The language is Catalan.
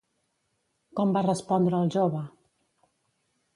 Com va respondre al jove?